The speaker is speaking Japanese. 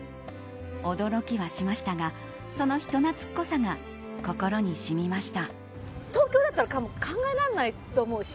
驚きはしましたがその人懐っこさが心にしみました。